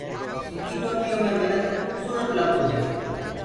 سِنڌي ٽوپيو مي منک کُبسورت لگدو هي۔